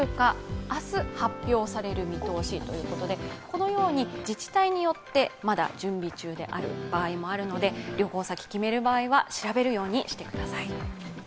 このように自治体によってまだ準備中である場合もあるので旅行先を決める場合は調べるようにしてください。